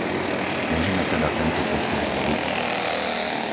Môžeme teda tento postup zvoliť?